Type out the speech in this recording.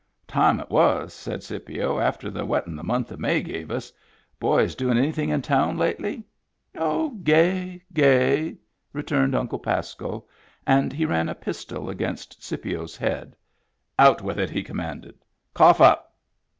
" Time it was," said Scipio, " after the wettin' the month of May gave us. Boys doin' anything in town lately ?"" Oh, gay, gay," returned Uncle Pasco. And he ran a pistol against Scipio's head. " Out with it," he commanded. " Cough up."